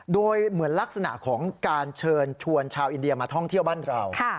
โดยเหมือนลักษณะของการเชิญชวนชาวอินเดียมาท่องเที่ยวบ้านเรา